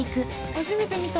初めて見た。